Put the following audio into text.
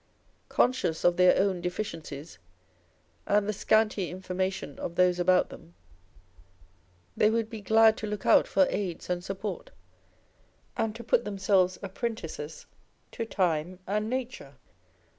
Conscious of their own deficiencies and the scanty information of those about them, they would be glad to look out for aids and support, and to put themselves apprentices to time and nature.